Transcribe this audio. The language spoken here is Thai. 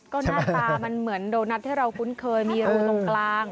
ก็หน้าตามันเหมือนโดนัทที่เราคุ้นเคยมีรูตรงกลาง